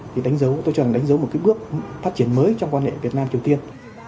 thì đánh dấu tôi cho rằng đánh dấu một cái bước phát triển mới trong quan hệ việt nam triều tiên